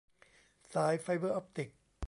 สายไฟเบอร์ออปติก